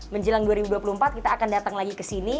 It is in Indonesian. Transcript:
menjelang dua ribu dua puluh empat kita akan datang lagi ke sini